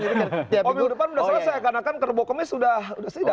oh minggu depan sudah selesai karena kan kerubuk kemis sudah sedang